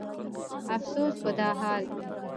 افسوس په دا حال